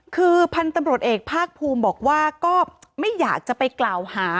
คือพันธุ์ตำรวจเอกภาคภูมิบอกว่าก็ไม่อยากจะไปกล่าวหา